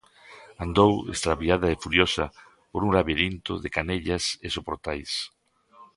Andou, extraviada e furiosa por un labirinto de canellas e soportais.